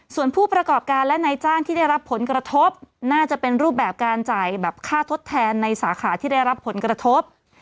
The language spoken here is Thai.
ส่วนผู้ประกอบการและนายจ้างที่ได้รับผลกระทบน่าจะเป็นรูปแบบการจ่ายแบบค่าทดแทนในสาขาที่ได้รับผลกระทบ